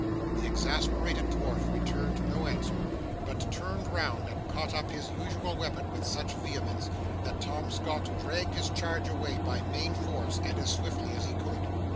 The exasperated dwarf returned no answer, but turned round and caught up his usual weapon with such vehemence, that Tom Scott dragged his charge away, by main force, and as swiftly as he could.